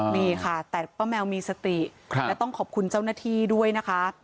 นี่ค่ะแต่ป้าแมวมีสติและต้องขอบคุณเจ้าหน้าที่ด้วยนะคะ